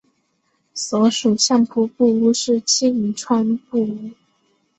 所属相扑部屋是境川部屋。